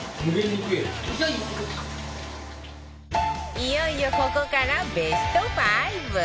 いよいよここからベスト５